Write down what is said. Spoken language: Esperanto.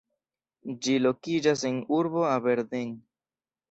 Ĝi lokiĝas en urbo Aberdeen.